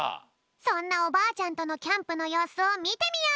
そんなおばあちゃんとのキャンプのようすをみてみよう！